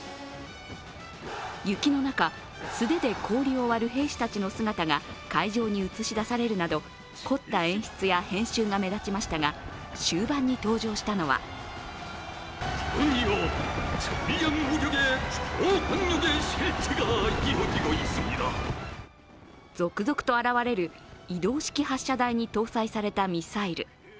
雪の中、素手で氷を割る兵士の姿が会場に映し出されるなど凝った演出や編集が目立ちましたが、終盤に登場したのは続々と現れる移動式発射台に搭載されたミサイル。